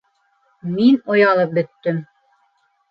Мин оялып бөттөм.